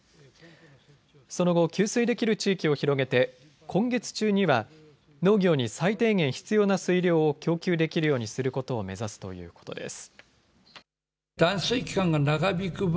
その後、給水できる地域を広げて今月中には農業に最低限必要な水量を供給できるようにすることを目指すということです。